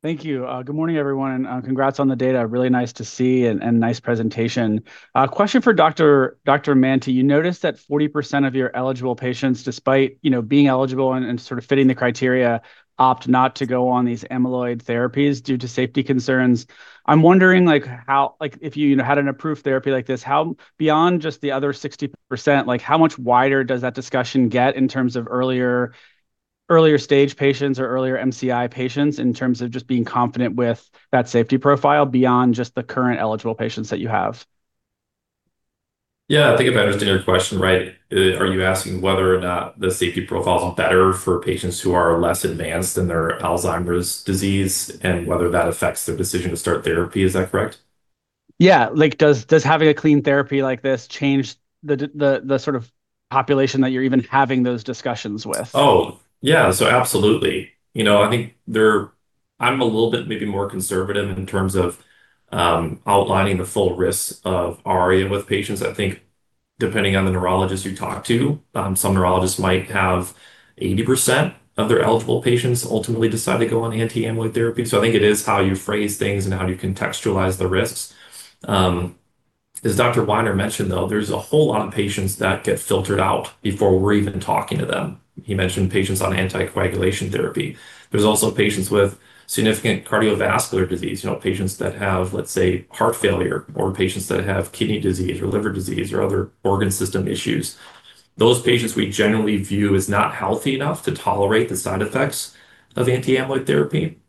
Thank you. Good morning, everyone, and congrats on the data. Really nice to see and nice presentation. A question for Dr. Mantyh. You noticed that 40% of your eligible patients, despite being eligible and sort of fitting the criteria, opt not to go on these amyloid therapies due to safety concerns. I'm wondering if you had an approved therapy like this, beyond just the other 60%, how much wider does that discussion get in terms of earlier stage patients or earlier MCI patients in terms of just being confident with that safety profile beyond just the current eligible patients that you have? Yeah. I think if I understood your question right, are you asking whether or not the safety profile is better for patients who are less advanced in their Alzheimer's disease and whether that affects their decision to start therapy? Is that correct? Yeah. Does having a clean therapy like this change the sort of population that you're even having those discussions with? Oh, yeah. Absolutely. I think I'm a little bit maybe more conservative in terms of outlining the full risks of ARIA with patients. I think depending on the neurologist you talk to, some neurologists might have 80% of their eligible patients ultimately decide to go on anti-amyloid therapy. I think it is how you phrase things and how you contextualize the risks. As Dr. Weiner mentioned, though, there's a whole lot of patients that get filtered out before we're even talking to them. He mentioned patients on anticoagulation therapy. There's also patients with significant cardiovascular disease, patients that have, let's say, heart failure, or patients that have kidney disease or liver disease or other organ system issues. Those patients we generally view as not healthy enough to tolerate the side effects of anti-amyloid therapy.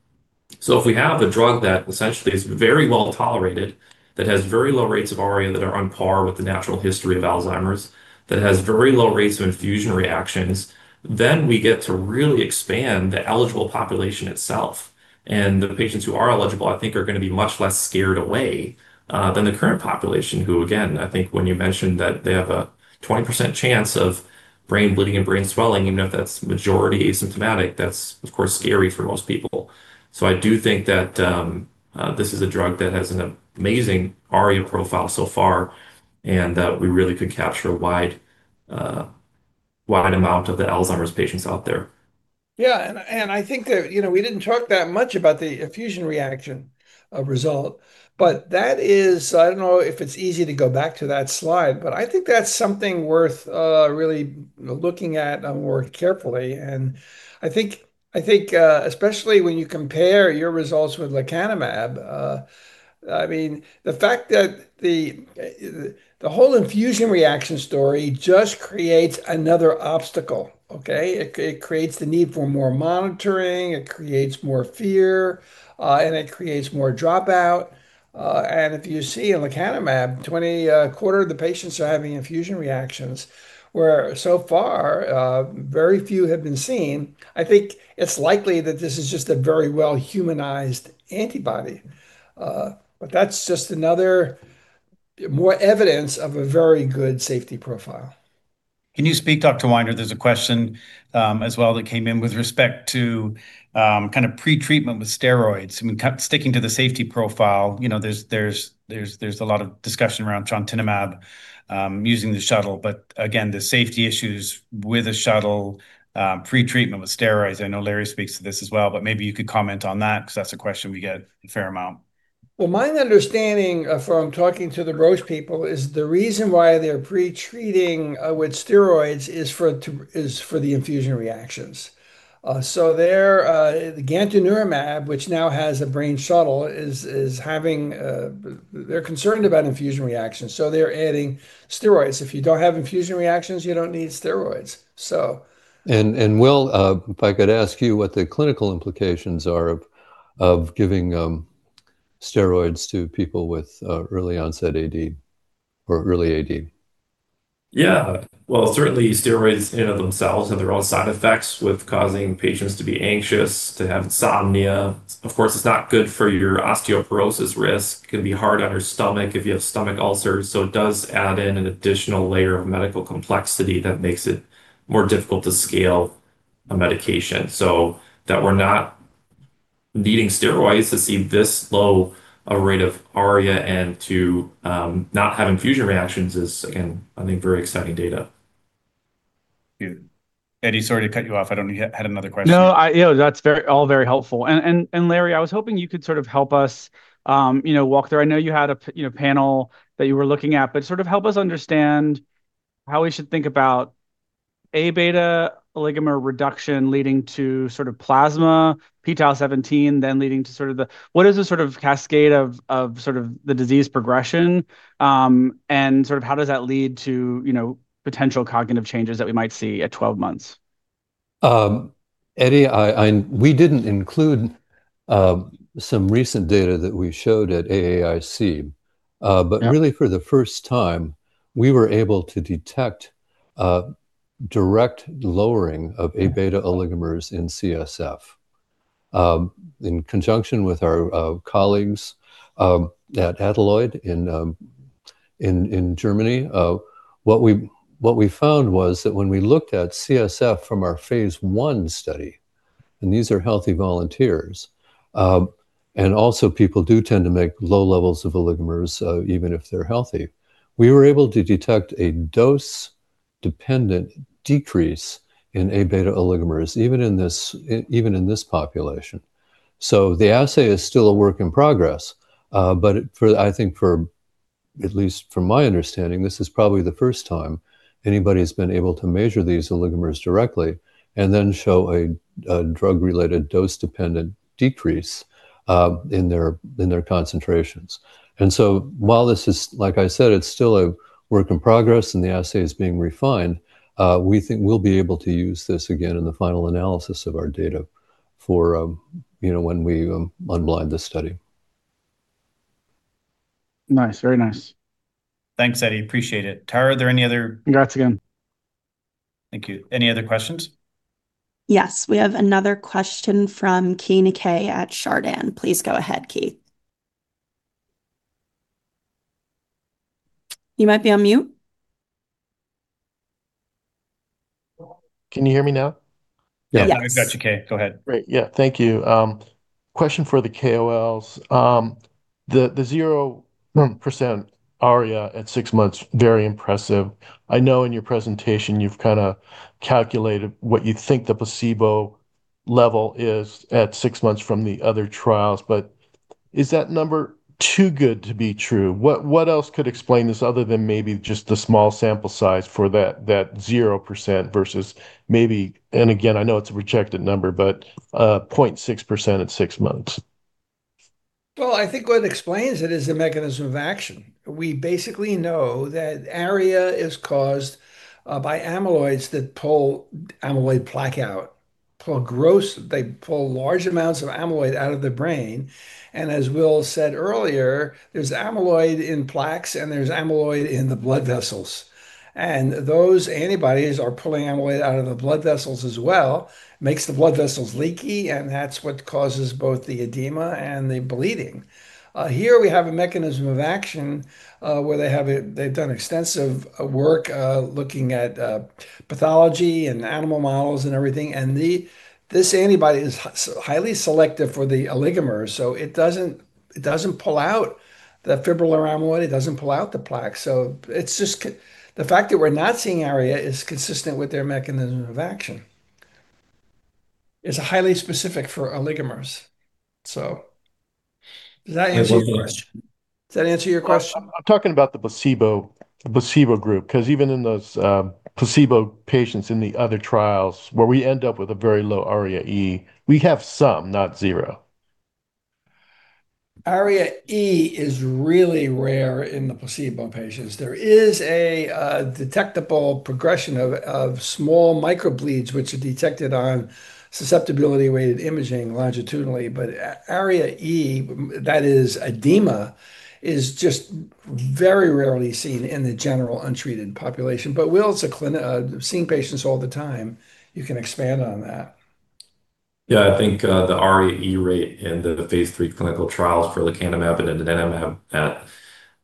If we have a drug that essentially is very well tolerated, that has very low rates of ARIA that are on par with the natural history of Alzheimer's, that has very low rates of infusion reactions, then we get to really expand the eligible population itself. The patients who are eligible, I think, are going to be much less scared away than the current population, who, again, I think when you mentioned that they have a 20% chance of brain bleeding and brain swelling, even if that's majority asymptomatic, that's of course scary for most people. I do think that this is a drug that has an amazing ARIA profile so far and that we really could capture a wide amount of the Alzheimer's patients out there. I think that we didn't talk that much about the infusion reaction result. I don't know if it's easy to go back to that slide, but I think that's something worth really looking at more carefully. I think especially when you compare your results with lecanemab, the fact that the whole infusion reaction story just creates another obstacle. Okay? It creates the need for more monitoring, it creates more fear, and it creates more dropout. If you see in lecanemab, 20% of the patients are having infusion reactions, where so far very few have been seen. I think it's likely that this is just a very well humanized antibody. That's just more evidence of a very good safety profile. Can you speak, Dr. Weiner? There's a question as well that came in with respect to pre-treatment with steroids. Sticking to the safety profile, there's a lot of discussion around donanemab using the shuttle. Again, the safety issues with a shuttle, pre-treatment with steroids. I know Larry speaks to this as well, maybe you could comment on that because that's a question we get a fair amount. Well, my understanding from talking to the Roche people is the reason why they're pre-treating with steroids is for the infusion reactions. Gantenerumab, which now has a brain shuttle, they're concerned about infusion reactions, so they're adding steroids. If you don't have infusion reactions, you don't need steroids. Will, if I could ask you what the clinical implications are of giving steroids to people with early onset AD or early AD. Well, certainly steroids themselves have their own side effects with causing patients to be anxious, to have insomnia. Of course, it's not good for your osteoporosis risk. It can be hard on your stomach if you have stomach ulcers. It does add in an additional layer of medical complexity that makes it more difficult to scale a medication. That we're not needing steroids to see this low rate of ARIA and to not have infusion reactions is, again, I think very exciting data. Eddie, sorry to cut you off. I don't know, you had another question. No, that's all very helpful. Larry, I was hoping you could sort of help us walk through. I know you had a panel that you were looking at, but sort of help us understand how we should think about Aβ oligomer reduction leading to sort of plasma p-tau217, what is the sort of cascade of the disease progression, and how does that lead to potential cognitive changes that we might see at 12 months? Eddie, we didn't include some recent data that we showed at AAIC. Yeah. Really for the first time, we were able to detect a direct lowering of Aβ oligomers in CSF. In conjunction with our colleagues at Adelaide in Germany, what we found was that when we looked at CSF from our phase I study, and these are healthy volunteers. Also people do tend to make low levels of oligomers even if they're healthy. We were able to detect a dose-dependent decrease in Aβ oligomers, even in this population. The assay is still a work in progress. I think at least from my understanding, this is probably the first time anybody's been able to measure these oligomers directly and then show a drug-related dose-dependent decrease in their concentrations. While this is, like I said, it's still a work in progress and the assay's being refined, we think we'll be able to use this again in the final analysis of our data for when we unblind the study. Nice. Very nice. Thanks, Eddie. Appreciate it. Tara, are there any other- Congrats again. Thank you. Any other questions? Yes. We have another question from Keay Nakae at Chardan. Please go ahead, Keay. You might be on mute. Can you hear me now? Yeah. Yes. We've got you, Keay. Go ahead. Great. Yeah. Thank you. Question for the KOLs. The 0% ARIA at six months, very impressive. I know in your presentation you've kind of calculated what you think the placebo level is at six months from the other trials. Is that number too good to be true? What else could explain this other than maybe just the small sample size for that 0% versus maybe, and again, I know it's a rejected number, but 0.6% at six months? Well, I think what explains it is the mechanism of action. We basically know that amyloids is caused by amyloids that pull amyloid plaque out. They pull large amounts of amyloid out of the brain. As Will said earlier, there's amyloid in plaques, and there's amyloid in the blood vessels. Those antibodies are pulling amyloid out of the blood vessels as well, makes the blood vessels leaky, and that's what causes both the edema and the bleeding. Here we have a mechanism of action, where they've done extensive work looking at pathology and animal models and everything. This antibody is highly selective for the Aβ oligomers, so it doesn't pull out the fibrillar amyloid, it doesn't pull out the plaque. The fact that we're not seeing ARIA is consistent with their mechanism of action. Is highly specific for Aβ oligomers. Does that answer your question? I'm talking about the placebo group, because even in those placebo patients in the other trials where we end up with a very low ARIA-E, we have some, not zero. ARIA-E is really rare in the placebo patients. There is a detectable progression of small microbleeds, which are detected on susceptibility weighted imaging longitudinally. ARIA-E, that is edema, is just very rarely seen in the general untreated population. Will is seeing patients all the time. You can expand on that. Yeah, I think, the ARIA-E rate in the phase III clinical trials for lecanemab and donanemab at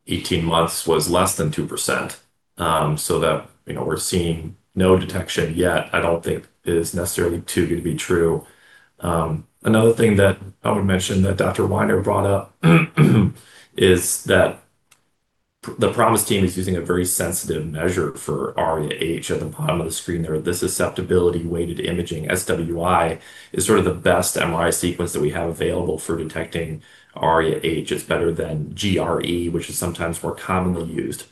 18 months was less than 2%. That we're seeing no detection yet, I don't think is necessarily too good to be true. Another thing that I would mention that Dr. Weiner brought up is that the ProMIS team is using a very sensitive measure for ARIA-H at the bottom of the screen there. The susceptibility weighted imaging, SWI, is sort of the best MRI sequence that we have available for detecting ARIA-H. It's better than GRE, which is sometimes more commonly used.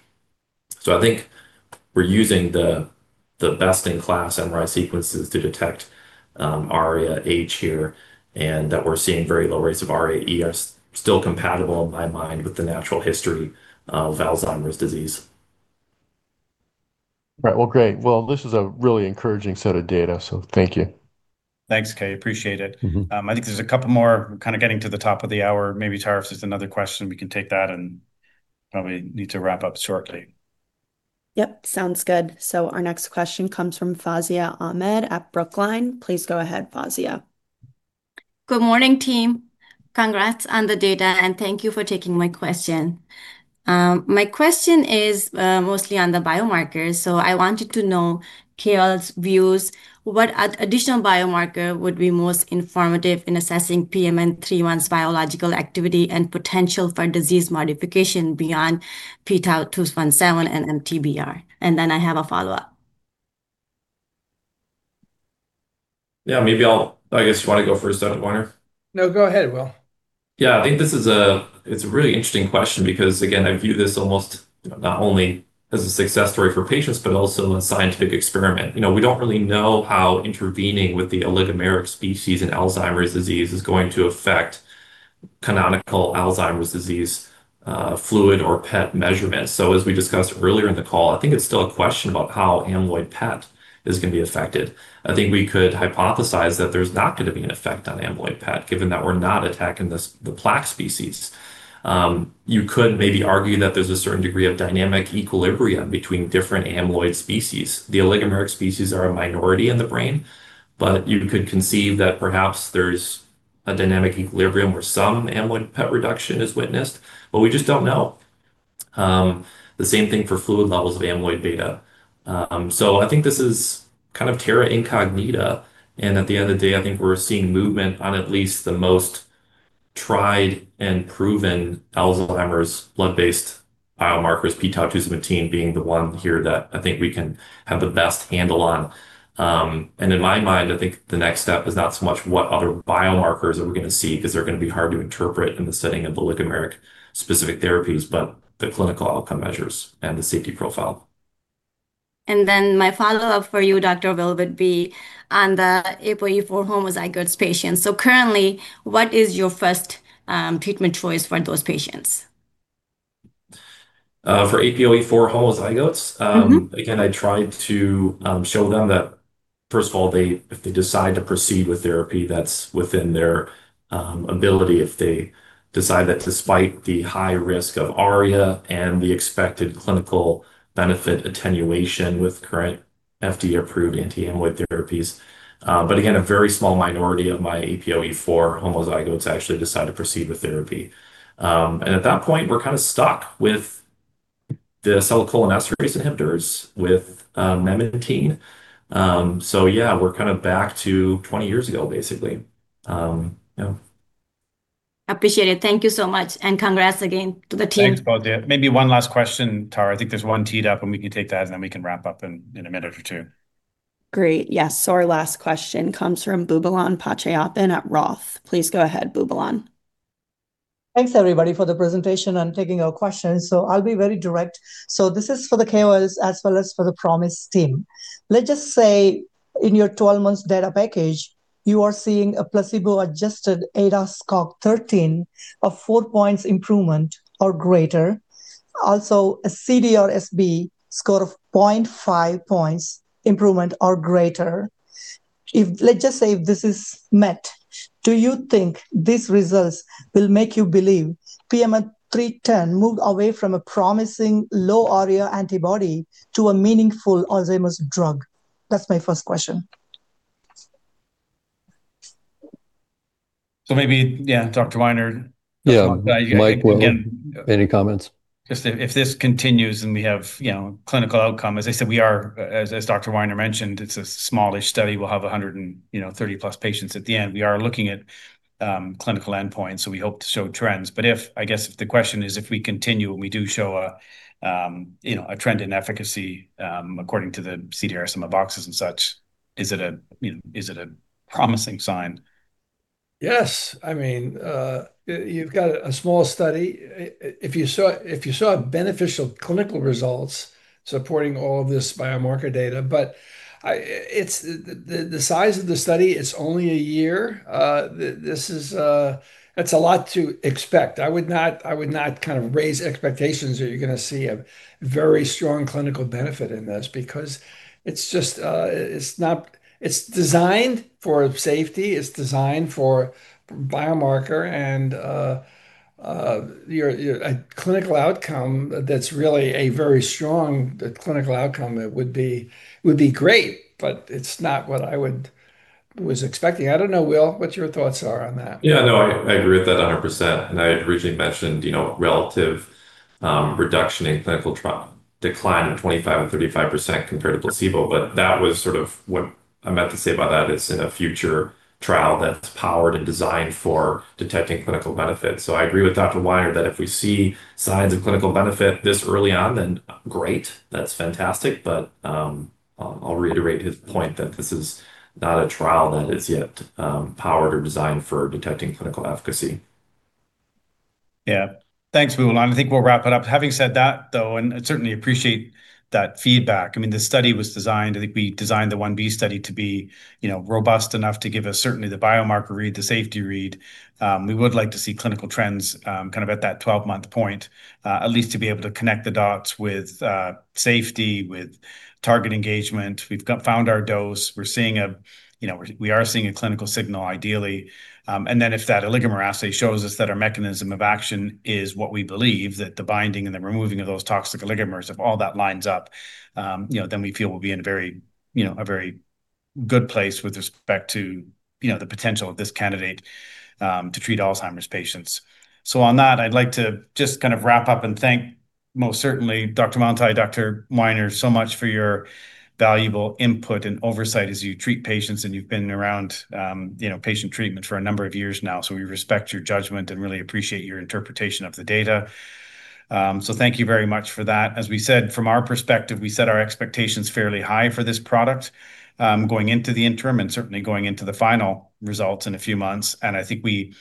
I think we're using the best in class MRI sequences to detect ARIA-H here, and that we're seeing very low rates of ARIA-E are still compatible in my mind with the natural history of Alzheimer's disease. Right. Great. This is a really encouraging set of data, so thank you. Thanks, Keay. Appreciate it. I think there's a couple more. We're kind of getting to the top of the hour. Maybe, Tara, if there's another question, we can take that and probably need to wrap up shortly. Yep, sounds good. Our next question comes from Fozia Ahmed at Brookline. Please go ahead, Fozia. Good morning, team. Congrats on the data, and thank you for taking my question. My question is mostly on the biomarkers. I wanted to know KOL's views, what additional biomarker would be most informative in assessing PMN310's biological activity and potential for disease modification beyond p-tau217 and MTBR? I have a follow-up. Yeah, I guess you want to go first, Dr. Weiner? No, go ahead, Will. Yeah, I think it's a really interesting question because, again, I view this almost not only as a success story for patients but also a scientific experiment. We don't really know how intervening with the oligomeric species in Alzheimer's disease is going to affect canonical Alzheimer's disease fluid or PET measurements. As we discussed earlier in the call, I think it's still a question about how amyloid PET is going to be affected. I think we could hypothesize that there's not going to be an effect on amyloid PET, given that we're not attacking the plaque species. You could maybe argue that there's a certain degree of dynamic equilibrium between different amyloid species. The oligomeric species are a minority in the brain, but you could conceive that perhaps there's a dynamic equilibrium where some amyloid PET reduction is witnessed, but we just don't know. The same thing for fluid levels of amyloid beta. I think this is kind of terra incognita, and at the end of the day, I think we're seeing movement on at least the most tried and proven Alzheimer's blood-based biomarkers, p-tau217 being the one here that I think we can have the best handle on. In my mind, I think the next step is not so much what other biomarkers are we going to see, because they're going to be hard to interpret in the setting of oligomeric specific therapies, but the clinical outcome measures and the safety profile. My follow-up for you, Dr. Will, would be on the APOE4 homozygotes patients. Currently, what is your first treatment choice for those patients For APOE4 homozygotes? Again, I tried to show them that first of all, if they decide to proceed with therapy, that's within their ability if they decide that despite the high risk of ARIA and the expected clinical benefit attenuation with current FDA-approved anti-amyloid therapies. Again, a very small minority of my APOE4 homozygotes actually decide to proceed with therapy. At that point, we're kind of stuck with the acetylcholinesterase inhibitors with memantine. Yeah, we're kind of back to 20 years ago, basically. Yeah. Appreciate it. Thank you so much. Congrats again to the team. Thanks, Fozia. Maybe one last question, Tara. I think there's one teed up. We can take that. Then we can wrap up in a minute or two. Great. Yes. Our last question comes from Boobalan Pachaiyappan at Roth. Please go ahead, Boobalan. Thanks everybody for the presentation and taking our questions. I'll be very direct. This is for the KOLs as well as for the ProMIS team. Let's just say in your 12 months data package, you are seeing a placebo-adjusted ADAS-Cog 13 of four points improvement or greater, also a CDR-SB score of 0.5 points improvement or greater. Let's just say if this is met, do you think these results will make you believe PMN310 moved away from a promising low ARIA antibody to a meaningful Alzheimer's drug? That's my first question. Maybe, yeah, Dr. Weiner. Yeah. Mike, Will, any comments? If this continues and we have clinical outcome, as I said, as Dr. Weiner mentioned, it's a smallish study. We'll have 130+ patients at the end. We are looking at clinical endpoints, we hope to show trends. I guess if the question is, if we continue and we do show a trend in efficacy, according to the CDR, some of the boxes and such, is it a promising sign? Yes. You've got a small study. If you saw beneficial clinical results supporting all of this biomarker data, but the size of the study, it's only a year. That's a lot to expect. I would not raise expectations that you're going to see a very strong clinical benefit in this, because it's designed for safety, it's designed for biomarker, and a clinical outcome that's really a very strong clinical outcome, it would be great, but it's not what I was expecting. I don't know, Will, what your thoughts are on that. I agree with that 100%. I had originally mentioned relative reduction in clinical trial decline of 25% or 35% compared to placebo. That was sort of what I meant to say about that is in a future trial that is powered and designed for detecting clinical benefits. I agree with Dr. Weiner that if we see signs of clinical benefit this early on, then great, that is fantastic. I will reiterate his point that this is not a trial that is yet powered or designed for detecting clinical efficacy. Thanks, Will, and I think we will wrap it up. Having said that, though, I certainly appreciate that feedback. I think we designed the phase I-B study to be robust enough to give us certainly the biomarker read, the safety read. We would like to see clinical trends at that 12-month point, at least to be able to connect the dots with safety, with target engagement. We have found our dose. We are seeing a clinical signal ideally. If that oligomer assay shows us that our mechanism of action is what we believe, that the binding and the removing of those toxic oligomers, if all that lines up, then we feel we will be in a very good place with respect to the potential of this candidate to treat Alzheimer's patients. On that, I would like to just wrap up and thank most certainly Dr. Mantyh, Dr. Weiner, so much for your valuable input and oversight as you treat patients, and you have been around patient treatment for a number of years now. We respect your judgment and really appreciate your interpretation of the data. Thank you very much for that. As we said, from our perspective, we set our expectations fairly high for this product going into the interim and certainly going into the final results in a few months. I think we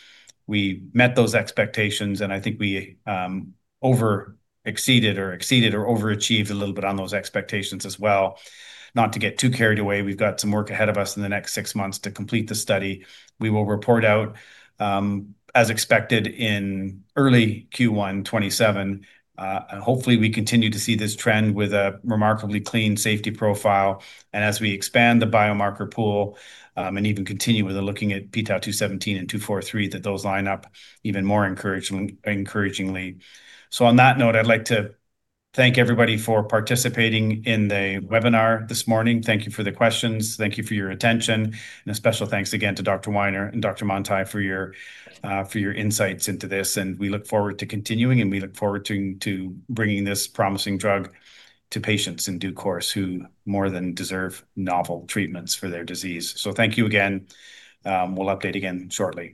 met those expectations, and I think we over exceeded or exceeded or overachieved a little bit on those expectations as well. Not to get too carried away, we have got some work ahead of us in the next 6 months to complete the study. We will report out as expected in early Q1 2027. Hopefully, we continue to see this trend with a remarkably clean safety profile. As we expand the biomarker pool and even continue with looking at p-tau217 and 243, that those line up even more encouragingly. On that note, I would like to thank everybody for participating in the webinar this morning. Thank you for the questions. Thank you for your attention. A special thanks again to Dr. Weiner and Dr. Mantyh for your insights into this. We look forward to continuing, and we look forward to bringing this promising drug to patients in due course who more than deserve novel treatments for their disease. Thank you again. We will update again shortly.